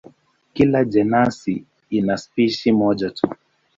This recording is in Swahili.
Kila jenasi ina spishi moja tu.